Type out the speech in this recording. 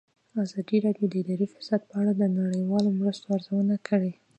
ازادي راډیو د اداري فساد په اړه د نړیوالو مرستو ارزونه کړې.